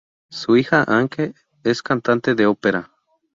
Su hija Anke es cantante de ópera.